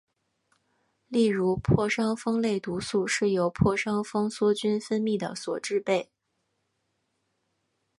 例如破伤风类毒素是由破伤风梭菌分泌的所制备。